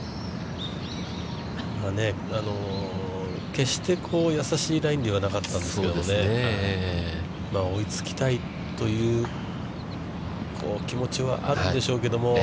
決して易しいラインではなかったんですけど、追いつきたいという気持ちはあるんでしょうけれども。